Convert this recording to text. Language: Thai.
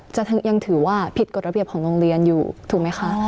ยังถือว่าผิดกฎระเบียบของโรงเรียนอยู่ถูกไหมคะ